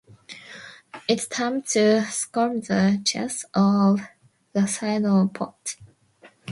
It’s time to scrub the cheese off the sides of the pot.